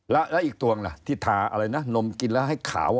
แล้วอีกตวงล่ะที่ทาอะไรนะนมกินแล้วให้ขาว